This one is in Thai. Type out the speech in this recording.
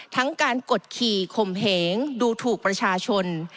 ทั้งการกดขี่ข่มเหงดูถูกประชาชน